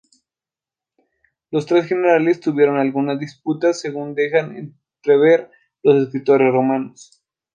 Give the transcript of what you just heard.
Los tres generales tuvieron algunas disputas según dejan entrever los escritores romanos.